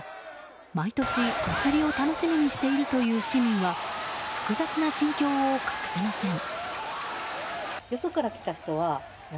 毎年、祭りを楽しみにしているという市民は複雑な心境を隠せません。